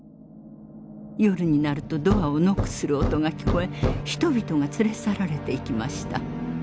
夜になるとドアをノックする音が聞こえ人々が連れ去られていきました。